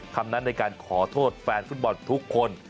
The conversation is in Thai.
คำนั้นในการขอโทษแฟนฟุตบอลทุกคน